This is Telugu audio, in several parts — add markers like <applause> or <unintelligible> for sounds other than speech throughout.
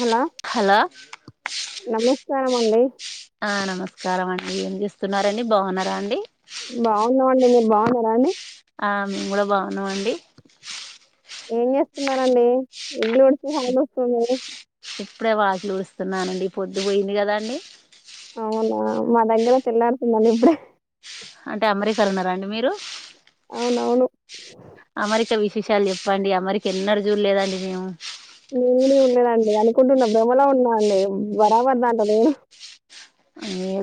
హలో హలో నమస్కారం అండి ఆ నమస్కారం అం ఏం చేస్తున్నారండి? బాగున్నారా అండి. బాగున్నావండి మీరు బాగున్నారా అండి? ఆ మేము కూడా బాగున్నాం అండి. ఏం చేస్తున్నరండి ఇల్లుడిసే సౌండ్ వస్తుంది. ఇప్పుడే వాకిలు ఉడుస్తున్నానండి పొద్దు పోయింది గాదా అండి. అవునా మా దగ్గర తెల్లారుతుందండి ఇప్పుడే అంటే అమెరికాల ఉన్నారా అండి మీరు అవునవును అమెరికా వి విషయాలు చెప్పండి. అమరిక ఎన్నడు జెడ్లేదండి మేము నేమునే ఉండదండి అనుకుంటున్నా భ్రమలో ఉన్నా అండి బరాబర్ దాంట్లో నేను ఆ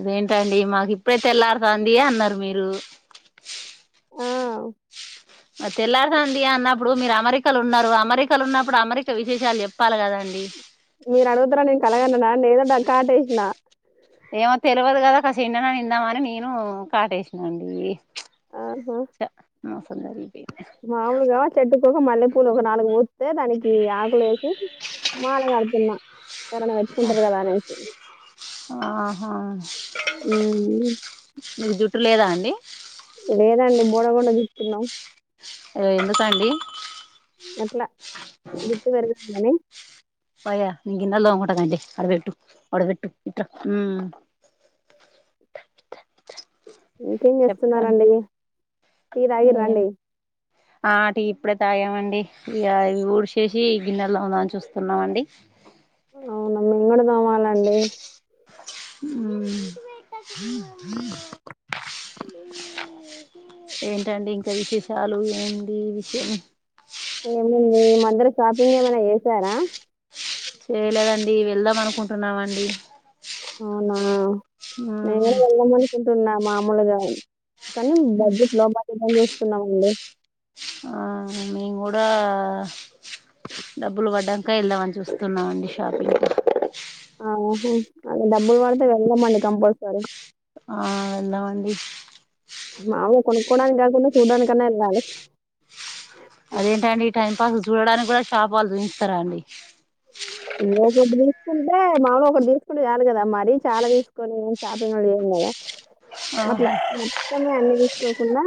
దేంటండి మాకు ఇప్పుడైతే తెళ్లారుతంది అన్నారు మీరు ఆ రికాలు ఉన్నారు అమెరికాలు ఉన్నప్పుడు అమెరికా విశేషాలు చెప్పాలి కదాండి మీరు అడుగుతారా నేను కలగానన్న నేదో దగ్గ ఆటేసిన ఏమో తెలియదు కదా అసి ఎన్నన నిందామని నేను కాటేసినండి ఆహా ఆ సుందరి మాములుగా చెట్టుకో మళ్ పూలు ఒక నాలుగు పోూస్తే దానికి ఆకులే వేసి మాలగాడుతున్నా ఆహో ఉమ్, నీ జుట్టు లేదా అండి ఉన్నావు అయో ఎందుకండి అట్లా గుతి పెరగాం అని పయ నింగిన్నలో తోముకుంట అండి అడవ పెట్టు అడ పెెట్టు ఇట ఇంకేం చెప్పండి చేస్తున్నారంండి టీ తగి ఏం రండి ఆ అటి ఇప్పుడే తాగామండి ఇవి ఊడిచేసి గిన్నెల్లో తోందాం అని చూస్తున్నామండి అవునమ్ మీ కూడా తోవాలండి అ ఏంటండి ఇంకా విశేషాలు ఏంటి విషయం ఏమంది ఇమదర షాపింగ్ ఏమైనా చేసారా చేయలేదండి వెళ్దాం అనుకుంటున్నామండి అవునా మేను ఉమ్ కూడా వెళ్ళామనుకుంటున్నా మామూలుగా కానీ బడ్జెట్ లోబాలుని చూస్తున్నామండి ఆ మీేను కూడా డబ్బులు పడ్డాక వెళ్దామని చూస్తున్నామండి షాపింగ్ త ఆహ అదే డబ్బులు వాడితే వెళ్దమండి కంపల్సరీ ఆ వెల్దామంది మావలుగా కొనుక్కోడానికి కాకుండా చూడ్డానికన్నా వెళ్ళాల్దమండి అదేంటండి ఈ టైం పాస్ చూడడానికి కూడా షాప్ వాలు చూపిస్తారా అండి ఇంొ ఒకటి తీసుకుంటే మామలుగా ఒకటి తీసుకుంట చలు కదా మరీ చాలా తీసుకొని షాపిింగ్ కూడా చెయంకదా అట్లా ఆహా మొత్తమే అన్ని తీసుకోకుండా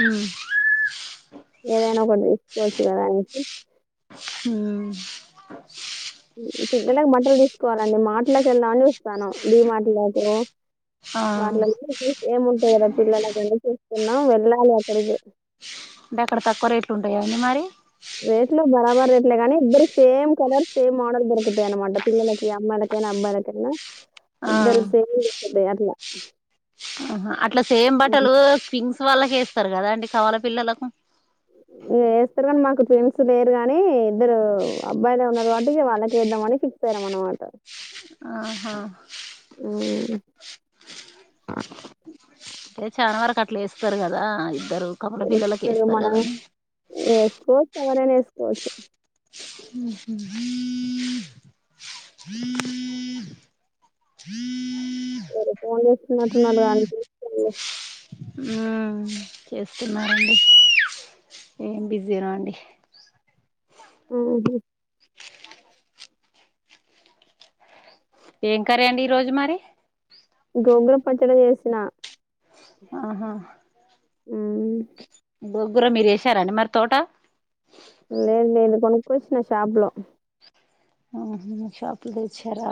ఉమ్ ఏదైనా ఒకటి తీసుకోవచ్చు కదా అనేసి హ పిల్లలలకు బటలు తీసుకోవాలండి మార్టలకి వెళ్దామని చుస్తాను ీ మార్టలలకు ఆ వాటిల ఏముంట వేర పిల్లల కని చూస్తున్నాం వెళ్ళాలి అక్కడికి అంటే ఎక్కడ తక్కువ రేట్లు ఉంటాయా అండి మరి రేట్ లో బరాబర్ రేట్లే కానీ ఇద్దరికి సేమ్ కలర్ సేమ్ మోడల్ దొరుకుతాయి అనమాట పిల్లలకి అమ్మాయిలకి మ్మాయిలకై నా అబ్బాయిలకైన ఆ ఇద్దరు సే అట్లా ఆహ అట్లా సేమ్ బట్టలు కింగ్స్ వాళ్ళకేస్తారు కదా అండి కవల పిల్లలకు వేస్తారు కాని మాకు ట్విమ్ లేరు గానీ ఇద్దరు అబ్బాయిలే ఉన్నారు కాబట్టి వాళ్ళకేద్దామని ఫిక్స్ అయ్యం అన్నమాట ఆహో మ్మ్ అంటే చాలా వరకు అట్లా వేస్తారు కదా ారు కపల వేస్తారు పిల్లలకిేస్తారు కదని ఎవరైన వేసుకోవచ్చు హుహ్ <inaudible> ఎవరో ఫోన్ చేస్తున్నట్టున్నారు కాదండి చేసుకోండి హు చేస్తున్నారండి ఏం బిజి నో అండి హుహ్ ఏం కర్రీ అండి ఈరోజు మరి గోంగూర పచ్చడి చేసినా ఆహా మ్మ్ ఉ గోంగూర మీరు వేసారండి మరి తోట కోసిన షాపులో ఆహా షాపులో తెచ్చారా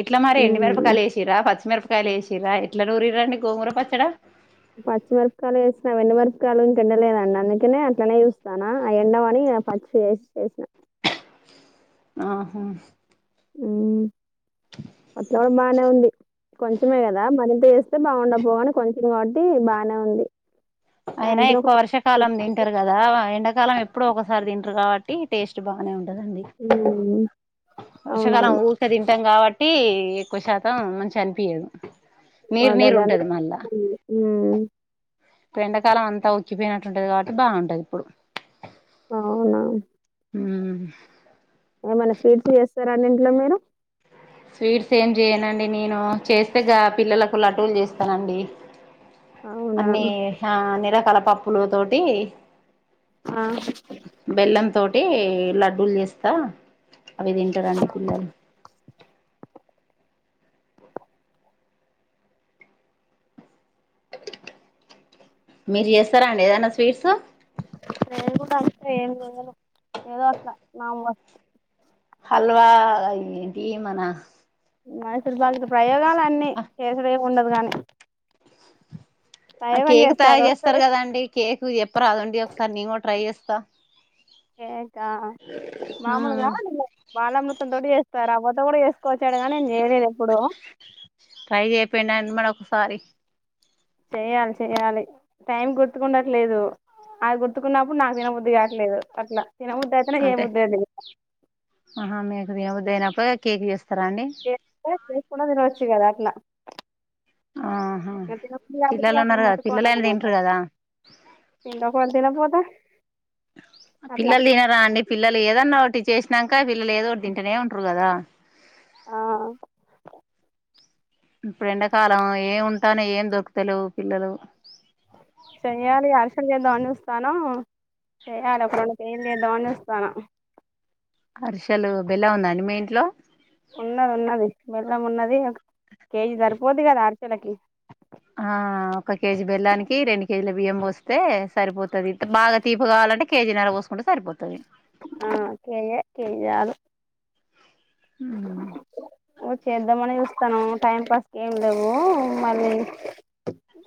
ఎట్లా మరి ఎండు మ్మ్ మిరపకాయలు వేసిర్ర పచ్చి మిరప కాయలు వేసిల్లా ఎట్లా నూరిర్రుండి గోంగూర పచ్చడా పచ్చిమిరపకాలు వేసిన ఎండుమిరపకాయలు ఇంకా ఎండలేదు అండి అందుకనే అట్లానే చేస్తానా అవి ఎండవని ఇగ పచ్చివే ఏసీ చేసిన ఆహా ఉ అట్లా కూడా బాగానే ఉంది కొంచమే కదా మరింత వేస్తే బాగుండకపోగాని కొంచెం కాబట్టి బాగానే ఉంది అయినా సాయంత్రం ఎక్కువ ఒక వర్షకాలం తింటారు కదా ఎండాక్ కాలం ఎప్పుడో ఒకసారి తింటారు కాబట్టి టేస్ట్ బానే ఉన్ ఉంటదిండి మ్మ్ వర్షాకాలం అవునవును ఊకే తింటాం కబ ట్టి ఎక్కువ శాతం మంచిగా అనిపియదు నీరు అదే నీరు అదే ఉంటది అందుకే మళ్ళా మ్మ్ ఇప్పుడు ఎండాకాలం అంతా ఉక్కిపోయినట్టుంటది కాబట్టి బాగుంటది ఇప్పుడు అవునా హు ఏమైనా స్వీట్స్ చేస్తారా అండి ఇంట్లో మీరు స్వీట్స్ ఏం చేయనండి నేను చేస్తే గా పిల్లలకు లడ్డూలు చేస్తానండి అవునా అన్ని ఆ అన్నిరకాల పప్పుల తోటి ఆ అంటే లడ్డూలు చేస్తా అవి తింటారండి పిల్లలు మీరు చేస్తారా అండి ఏదన్నా స్వీట్స్ నేను కూడా అంతే ఏం చేయను ఏదో అట్లా నా వస్తు హల్వా ఇది ఏంటి మన మైసూరుపక్ తో ప్రయోగాలు అన్ని చేసుడు ఏం ఉండదు గానీ ఆ కేక్ తయారు చేస్తారు కదాండి కేక్ చెప్పా రాదండి ఒకసారి నేను కూడా ట్రై చేస్తా కేక మామూలుగా నేను బాలమృతం తోటి చేస్తా రవ్వ తో కూడా చేసుకోవచ్చు తారు గాని నేను చేయలేదు ఎప్పుడు ట్రై చేయిపోయిండండి మరి ఒకసారి చెయ్యాలి చెయ్యాలి టైం గుర్తుకుండట్లేదు అది గుర్తుకున్నప్పుడు నాకు తినబుద్దుది కావట్లేదు అట్లా తినబుద్ధి అయితేనే అంటే చేయబుద్ధి అయితది ఆహా మీకు తినబుద్ధి అయినప్పుడే కేక్ చేస్తారా అండి చూసుకుండ తినవచ్చు కదా అట్లా ఆహా ఇగ తినబుద్ధి కాకపోతే పిల్లలు అసలు ఉన్నారు కదా ముట్టుకొను పిల్లలైనా అన్నమాట తింటారు కదా తింటపో అని తినపోతే ఆ అట్లా పిల్లలు తినరండి పిల్లలు ఏదన్నా ఓట్ కొట్టి చేసినంకా పిల్లలు ఏదో వోటి తింటనే ఉంటారు ఆ ఇప్పుడు ఎండాకాలం ఏం ఉంటాయి ఏం దొరికితే అంటూ ఏం దొరుకుతలేవు పిల్లలు చెయ్యాలి హర్షలు చేద్దాం అని చూస్తానము చెయ్యలే ఒక రెండు కేజీలు చేద్దాం అని చూస్తానా అరిషలు బెలం ఉందా అండి మీ ఇంట్లో ఉన్నది ఉన్నది బెల్లం ఉన్నది కేజీ సరిపోది కదా అరిషెలకి ఆ ఒక కేజీ బెల్లానికి రెండు కేజీల బియ్యం పోస్తే సరిపోతది బాగా తీపు కావాలంటే కేజీ నర పోసుకుంటే సరిపోతది కేజి యాలు ఊ చేద్దామని చూస్తాను టైం కి ఎందుకు మళ్ళీ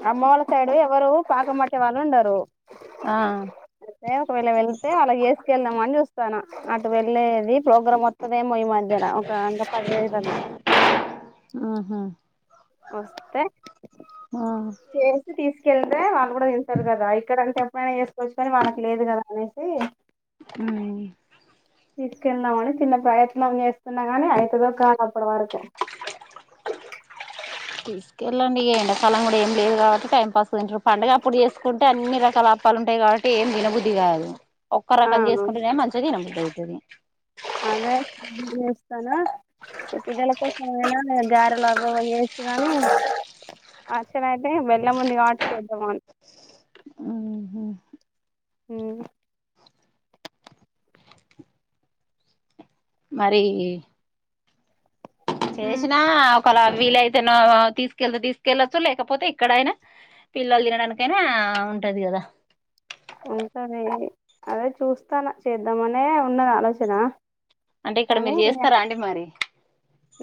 అమ్మ వాళ్ళ సైడు ఎవరు పాకం బట్టే వాళ్ళు ఉండరు ఆ తే ఒకవేళ వెళతే అలా ఎస్ కెళ్దాం అని చూస్తాను అటు వెళ్ళలేది ప్రోగ్రామ్ వస్తుదేమో ఈ మధ్య ఒక అంట పది ఇరవై సల్ల ఊ వస్తే చేసి తీసుకెళ్తే వాల్ కూడా తింటారు కదా ఇక్కడ అంటే ఎప్పుడైనా చేసుకోవచ్చు కాని వాళ్లకి లేదు కదా అనేసి ఊ తీసుకెల్దామని చిన్న ప్రయత్నం చేస్తున్నా గాని అయితదో కాదో అప్పుడి వరకు తీసుకెళ్ళలండి ఇగ ఎండకాలం కూడా ఏం లేదు కాబట్టి టైంపాస్ తింట్రు పండగ అప్పుడు చేసుకుం టె అన్ని రకాల అప్పాలు ఉంటాయి కాబట్టి ఏ దినబుది కాదు ఒక్క ఆ రకం చేసుకుంటేనే మంచిగా తినబుద్ధి ఐతది అదే ఇడ్లి ఏస్తాన ఈ పిల్లల కోసమైన నేన్ గారెలు అవో చేయొచ్చు కానీ యాక్చ్యువల్ అయితే బెల్లం ఉంది కాబట్టి చేద్దామని ఊ ఊ మరి చేేసిన ఒకలా వీలైతే నో తీసుకెళ్తే తీసుకెళ్లొచ్చు లేకపోతే ఇక్కడైనా పిల్లలు తినడానికైనా ఆ ఉంటది కదా ఉంటది అదే చూస్తాను చేద్దామనే ఉన్నది ఆలోచన అంటే ఇక్కడ కానీ మీరు చేస్తారా అండి మరి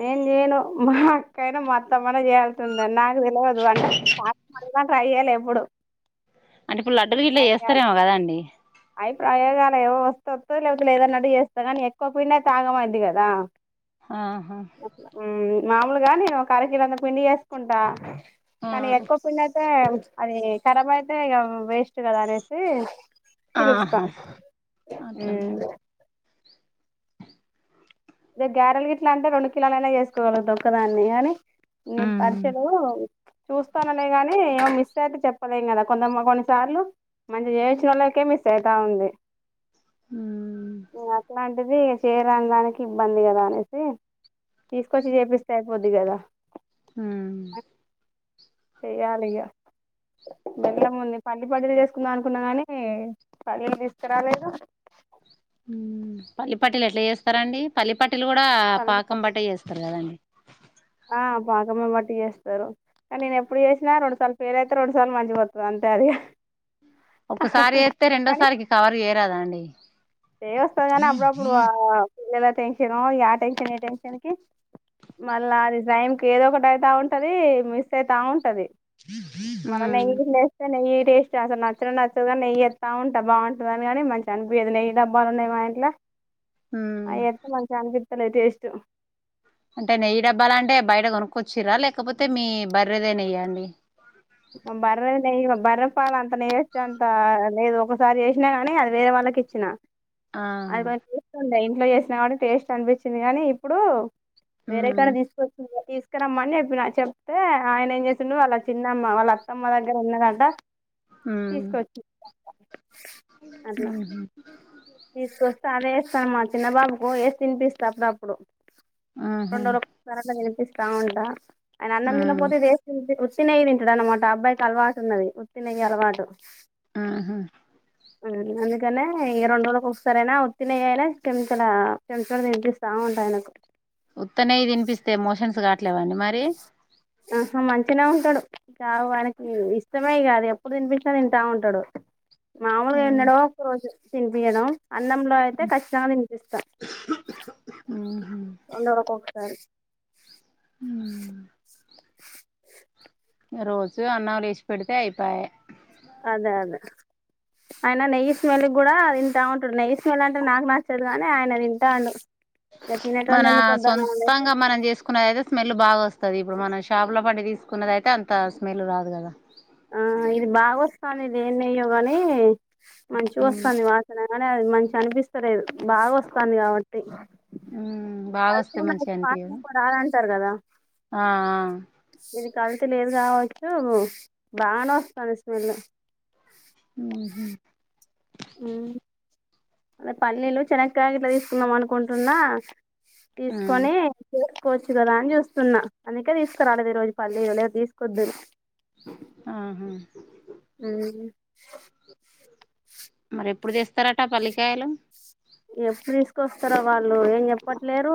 నేను చేయను మా అక్కయినా మా అత్తమనా చేయాల్సిందే నాక్ నాక్ తెలియదు వండా <unintelligible> ట్రై చేయ్యాలి ఎప్పుడు అంటే ఇప్పుడు లడ్డు లు గిట్లా ట్రై చేయాలి చేస్తారేమో కదండి అవి ప్రయోగాలు ఏవో వస్త వతయ్ లేకపోతే లేదన్నట్టు చేస్తా కానీ ఎక్కువ పిండ తాగమైంది కదా ఆహా మామూలుగా నేను ఒక అకరకిలంతా పిండి చేేసుకుంటా ఆ కానీ ఎక్కువ పిండి అయితే ప్చ్ అది ఖరాబ్ అయితే ఇక వేస్ట్ కదా అనేసి పిలుస్తా ఆహా ఊ అట్లనా ఇగ గ్యారెల్ గిట్లా అంటే రెండు కిలలైనా చేసుకోగలుగుతా ఒక్క దాన్ని కాని నే ఉమ్ అరిషలు చూస్తాననే గాని ఏమో మిస్ మిస్ అయితే చెప్పలేం కదా కొంత మం కొన్నిసార్లు మంచిగా చేయిచ్చినోళ్ళకే మిస్ అయిత ఉంది ఉమ్ ఒ అట్లాంటిది చేయరాను దానికి ఇబ్బంది కదా అనేసి తీసుకొచ్చి చేపిస్తే అయిపోద్ది కదా ఊ చెయాలిగ బెల్లం ఉంది పల్లి పటిలు చేసుకుందాం అనుకున్నా గాని పలీలు తీసుకురాలేేదు ఊ పల్లి పట్టిలు ఎట్లా చేస్తారండి పల్లి పట్టిలు కూడా పల్లి పాకం పట్టి బట్టే చేస్తారు కదండి ఆ పాకమే బట్టి చేస్తారు కానీ నేను ఎప్పుడు చేసినా రెండుసార్లు ఫెయిల్ అయితే రెండు సార్లు మంచిగొతది అంతే అది ఇగ ఒకసారి చెత్తే రెండోసారికి కవర్ చేయరాదా అండి! ఏ వస్తది. కానీ అప్పుడప్పుడు ఆ పిల్లల టెన్షను, యా టెన్షన్, ఈ టెన్షన్కి మళ్ళా అది టైంకి ఏదో ఒకటి అయితా ఉంటది. మిస్ అయితా ఉంటది. మన ఉమ్ నెయ్యిగిన్ చేస్తే నెయ్యి టేస్ట్ అస్సల్ నచ్చనే నచ్చదు. కానీ నెయ్యి చెత్తా ఉంట. బాగుంటదని కాని, మంచి అనిపియదు నయ్యి డబ్బాలు ఉన్నాయి మా ఇంట్లో. ఉమ్ అయి అయితె మంచిగ అనిపిత్తలే టెస్టు. అంటే నెయ్యి డబ్బాలంటే, బయట కొనుక్కొచ్చిర్రా! లేకపోతే, మీ బర్రెదే నెయ్య అండి? మా బర్రెది నెయ్యి ఇగ బర్ర పాల్ అంతా నెయ్యొచ్చే అంత లేదు. ఒకసారి చేసినా కాని, అది వేరే వాళ్ళకి ఇచ్చిన. ఆ అది కొ టేస్ట్ ఉండ. ఇంట్లో చేసినా కాబట్టి టేస్ట్ అనిపించింది కానీ, ఇప్పుడు ఉమ్ వేరేకాడ తీసుకొచ్చి ఇగ తీసుకురమ్మని చెప్పిన. చెప్తే, ఆయన ఏం చేసిండు వాల్ల చిన్ అత్తమ్మ వాళ్ళ అత్తమ్మ దగ్గర ఉన్నదంట. తీసుకొచ్చి అట్లా మ్ హు తీసుకొస్తే అదే ఏస్తాను మా చిన్నబాబుకు ఏసి తినిపిస్త అప్పుడప్పుడు. ఉహు రోండురోక్ సారన్న తినిపిస్తా ఉంటా. ఆయన అన్నం ఉమ్ తినకపోతే ఇదేస్ తినిపి ఉత్తినెయ్యి తింటడన్నమాట. అబ్బాయికి అలవాటు ఉన్నది ఉత్తినెయ్యి అలవాటు. మ్ హు మ్ అందుకనే ఇగ రోండ్ రోలు ఒగసారైనా ఉత్తినెయ్యి అయినా కేంపడ చమచటతో తినిపిస్తా ఉంటా ఆయనకు. ఉత్తనేయ్యి తినిపిస్తే మోషన్స్ కాట్లేవ అండి మరి? ఆహా మంచినే ఉంటడు. ఇకా వానికి ఇష్టమే ఇగ అది ఎప్పుడు తినిపించినా తింటా ఉంటడు. మాములుగ ఎన్నడో ఒక రోజు తినిపియడం. అన్నంలో అయితే ఖచ్చితంగ తినిపిస్తా. రెండు రోజులకు ఒకసారి ఇంగ రోజు అన్నంలో ఏసి పెడితే అయిపాయ. ఆ ఆయన నెయ్యి స్మెల్క్ కూడా తింటా ఉంటడు. నెయ్యి స్మెల్ అంటే నాకు నచ్చదు గాని ఆయన తింటాండు. ఇక మన తినేటోన్ని ఎందుకు వద్దనం అనేసి సొంతంగా మనం చేసుకున్నది అయితే స్మెల్ బాగొస్ తది ఇప్పుడు మనం షాప్ లో పడి తీసుకున్నది అయితే అంత స్మెల్ రాదు కదా! ఆ ఇది బాగొస్తాంది ఇదేం నైయో గాని మంచిగోస్తంది వాసన. కాని అది మంచి అనిపిస్తలేదు. బాగొస్తాంది కాబట్టి. మ్మ్ బాగా కల్తీ వస్తే ఉన్నది మంచిగా అనిపియదు <unintelligible> అంటారు కదా! ఆ ఆ ఇది కల్తీ లేదు కావచ్చు, బానే వస్తది స్మెల్. మ్మ్ అదే పల్లీలు చెనక్కాయ గిట్ల తీసుకుందాం అనుకుంటున్నా ఉమ్ తీసుకొని చే కోచ్చు కదా అని చూస్తున్నా. అందుకే, తీసుకురాలేదు ఈ రోజు పల్లిలు లెప్ తీసుకొద్దును. ఆహా ఉమ్ మరెప్పుడు తెస్తారట పల్లికాయలు? ఎప్పుడు తీసుకొస్తారో వాళ్ళు ఏం చెప్పట్లేరు